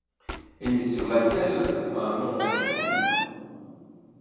Et sur laquelle un monstre court ?